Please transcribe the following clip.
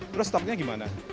terus stoknya gimana